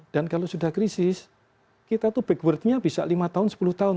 dan kalau sudah krisis kita tuh backwardnya bisa lima tahun sepuluh tahun